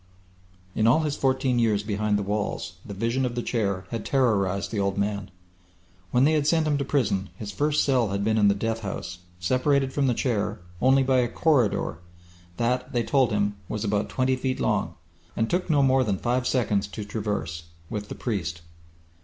In all his fourteen years behind the walls the vision of The Chair had terrorized the old man. When they had sent him to prison his first cell had been in the death house, separated from The Chair only by a corridor that, they told him, was about twenty feet long, and took no more than five seconds to traverse with the priest.